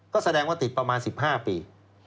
ก็แสดงว่าติดประมาณ๑๕ปี